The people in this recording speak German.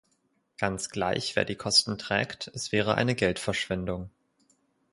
Ganz gleich, wer die Kosten trägt, es wäre eine Geldverschwendung.